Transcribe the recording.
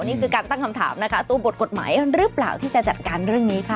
นี่คือการตั้งคำถามนะคะตัวบทกฎหมายหรือเปล่าที่จะจัดการเรื่องนี้ค่ะ